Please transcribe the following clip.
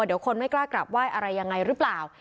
เดี๋ยวคนไม่กล้ากลับไหว้อะไรยังไงหรือเปล่า